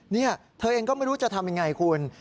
นี่เธอเองก็ไม่รู้จะทำยังไงคุณ